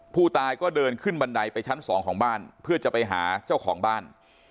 ผู้ตายก็เดินขึ้นบันไดไปชั้นสองของบ้านเพื่อจะไปหาเจ้าของบ้าน